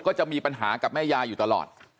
ก็จะมีปัญหากับแม่ยายอยู่ตลอด